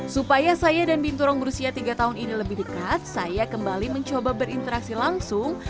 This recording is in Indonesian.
supaya saya dan binturong berusia tiga tahun ini lebih dekat saya kembali mencoba berinteraksi langsung